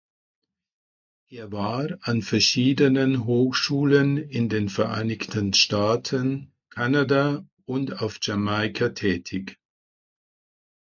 Er war an verschiedenen Hochschulen in den Vereinigten Staaten, Kanada und auf Jamaica tätig.